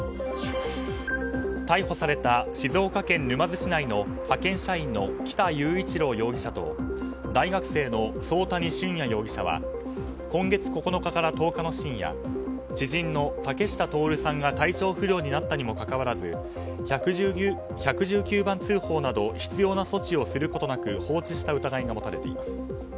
逮捕された静岡県沼津市内の派遣社員の北悠一郎容疑者と大学生の惣谷俊也容疑者は今月９日から１０日の深夜知人の竹下達さんが体調不良になったにもかかわらず１１９番通報など必要な措置をすることなく放置した疑いが持たれています。